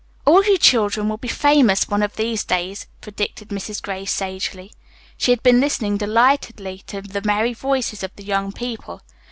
"All you children will be famous one of these days," predicted Mrs. Gray sagely. She had been listening delightedly to the merry voices of the young people.